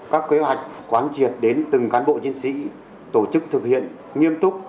các kế hoạch quán triệt đến từng cán bộ chiến sĩ tổ chức thực hiện nghiêm túc